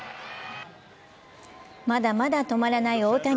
まだまだ止まらない大谷。